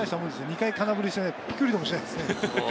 ２回空振りしてもピクリともしないですよ。